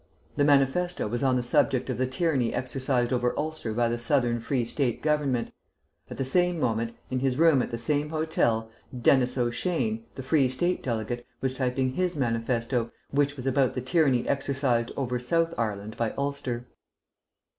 The manifesto was on the subject of the tyranny exercised over Ulster by the Southern Free State Government. At the same moment, in his room at the same hotel, Denis O'Shane, the Free State delegate, was typing his manifesto, which was about the tyranny exercised over South Ireland by Ulster.